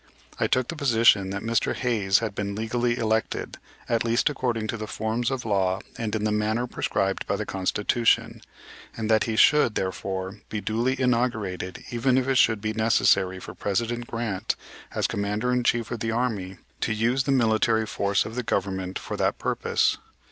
I took the position that Mr. Hayes had been legally elected, at least according to the forms of law and in the manner prescribed by the Constitution, and that he should, therefore, be duly inaugurated even if it should be necessary for President Grant, as Commander in chief of the Army, to use the military force of the Government for that purpose.